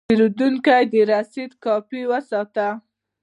پیرودونکی د رسید کاپي وساته.